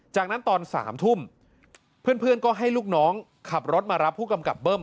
จากนั้นตอน๓ทุ่มเพื่อนก็ให้ลูกน้องขับรถมารับผู้กำกับเบิ้ม